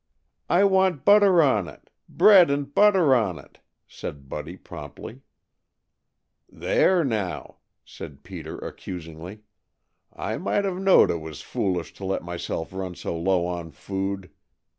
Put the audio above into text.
"I want butter on it. Bread, and butter on it," said Buddy promptly. "There, now!" said Peter accusingly. "I might have knowed it was foolish to let myself run so low on food.